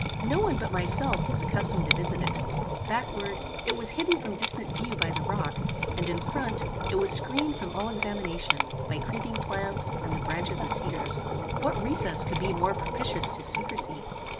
No one but myself was accustomed to visit it. Backward, it was hidden from distant view by the rock, and in front, it was screened from all examination, by creeping plants, and the branches of cedars. What recess could be more propitious to secrecy?